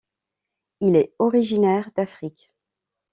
Il est originaire d'Afrique.